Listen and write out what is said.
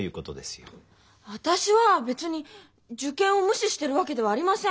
私は別に受験を無視してるわけではありません。